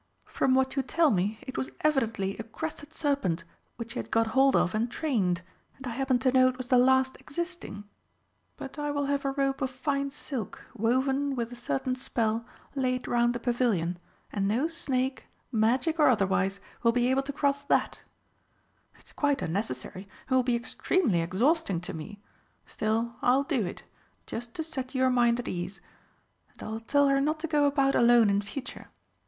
From what you tell me, it was evidently a Crested Serpent which he had got hold of and trained, and I happen to know it was the last existing.... But I will have a rope of fine silk, woven with a certain spell, laid round the Pavilion, and no snake, magic or otherwise, will be able to cross that. It's quite unnecessary, and will be extremely exhausting to me, still I'll do it, just to set your mind at ease. And I'll tell her not to go about alone in future....